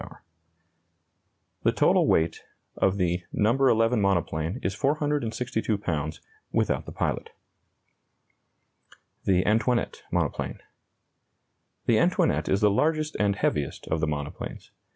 ] The total weight of the "No. XI." monoplane is 462 pounds, without the pilot. THE ANTOINETTE MONOPLANE. The Antoinette is the largest and heaviest of the monoplanes.